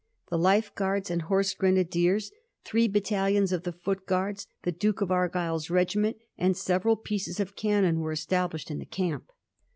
The Life Guards and Horse Grenadiers, three battalions of the Foot Guards, the Duke of Argyll's regiment, and several pieces of cannon were established in the camp.